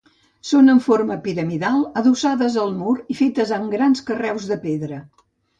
Són amb forma piramidal, adossades al mur i fetes amb grans carreus de pedra.